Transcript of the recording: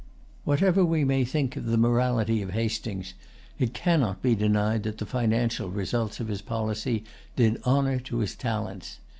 Whatever we may think of the morality of Hastings, it cannot be denied that the financial results of his policy did honor to his talents.